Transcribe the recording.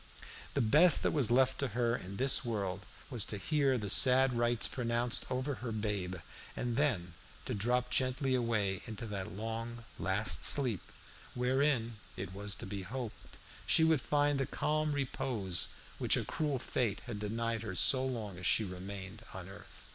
The best that was left to her in this world was to hear the sad rites pronounced over her babe, and then to drop gently away into that long, last sleep, wherein, it was to be hoped, she would find that calm repose which a cruel fate had denied her so long as she remained on earth.